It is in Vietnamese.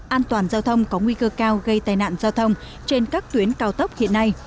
an toàn giao thông có nguy cơ cao gây tai nạn giao thông trên các tuyến cao tốc hiện nay